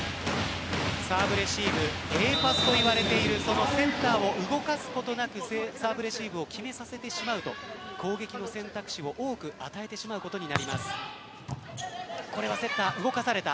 サーブレシーブＡパスといわれているセンターを動かすことなくサーブレシーブを決めさせてしまうと攻撃の選択肢を多く与えてしまうことになります。